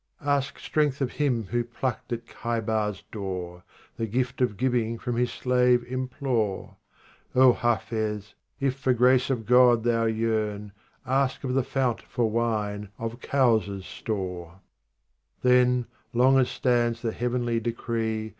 53 " Ask strength of him who plucked at KLhaibar's â¢ door ; The gift of giving from his slave implore. O Hafiz, if for grace of God thou yearn^ Ask of the fount for wine of Kowsar's store ; 54 Then, long as stands the heavenly decree.